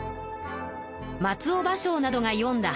松尾芭蕉などがよんだ